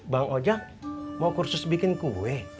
bang ojek mau kursus bikin kue